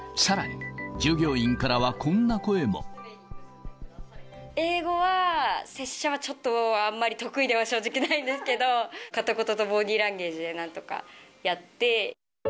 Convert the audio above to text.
さらに、英語は、拙者はちょっと、あんまり得意では、正直ないんですけど、片言とボディーランゲージでなんとかやって。